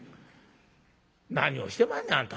「何をしてまんねんあんた。